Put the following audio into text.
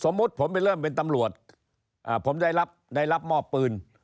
สมมุติผมเริ่มเป็นตำรวจอ่าผมได้รับได้รับมอบปืน